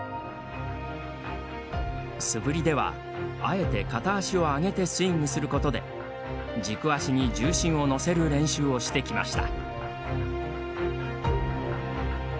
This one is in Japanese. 素振りでは、あえて片足を上げてスイングすることで軸足に重心を乗せる練習をしてきました。